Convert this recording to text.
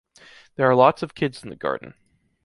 There are lots of kids in the garden.